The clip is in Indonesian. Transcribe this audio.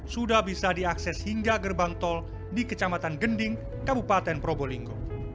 sudah bisa diakses hingga gerbang tol di kecamatan gending kabupaten probolinggo